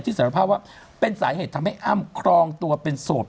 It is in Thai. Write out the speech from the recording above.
ที่สารภาพว่าเป็นสายเหตุธัศน์ให้อ้ำคลองตัวเป็นโสด